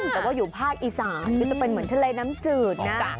แต่ว่าอยู่ภาคอีสานก็จะเป็นเหมือนทะเลน้ำจืดนะ